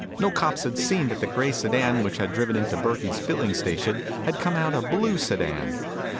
No cops had seen that the gray sedan which had driven into Burkey's filling station had come out a blue sedan.